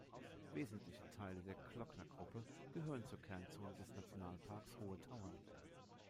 Wesentliche Teile der Glocknergruppe gehören zur Kernzone des Nationalparks Hohe Tauern.